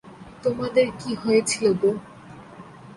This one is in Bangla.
তোমাদের কী হয়েছিল গো?